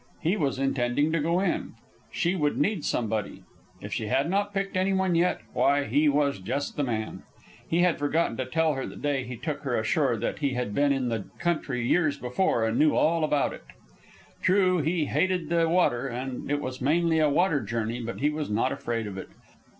He was intending to go in. She would need somebody. If she had not picked any one yet, why he was just the man. He had forgotten to tell her the day he took her ashore that he had been in the country years before and knew all about it. True, he hated the water, and it was mainly a water journey; but he was not afraid of it.